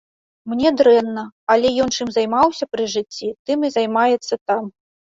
Мне дрэнна, але ён чым займаўся пры жыцці, тым і займаецца там.